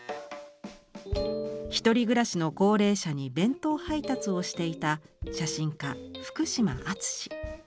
１人暮らしの高齢者に弁当配達をしていた写真家福島あつし。